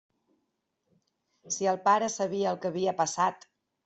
Si el pare sabia el que havia passat...!